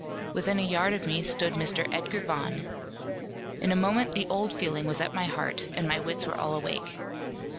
Within a yard of me stood Mr. Edgar Vaughan. In a moment the old feeling was at my heart, and my wits were all awake.